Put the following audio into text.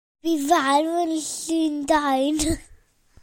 Bu farw yn Llundain.